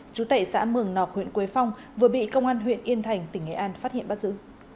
chú tệ xã mường nọc huyện quế phong vừa bị công an huyện yên thành tỉnh nghệ an phát hiện bắt giữ